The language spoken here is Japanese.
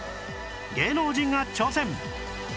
芸能人が挑戦！